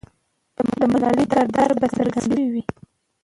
د ملالۍ کردار به څرګند سوی وي.